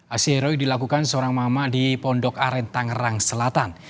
aksi heroik dilakukan seorang mama di pondok aren tangerang selatan